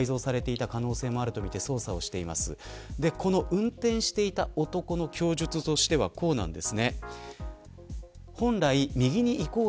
運転していた男の供述としてはこのようになっています。